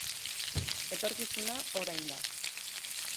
Etorkizuna, orain da.